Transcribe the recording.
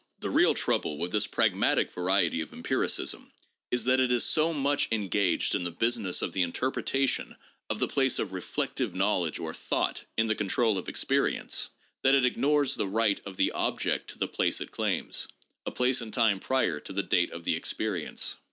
The real trouble with this pragmatic variety of empiricism is that it is so much engaged in the business of the interpretation of the place of reflective knowledge, or thought, in the control of experience, that it ignores the right of the object to the place it claims, — a place in time prior to the date of the experience.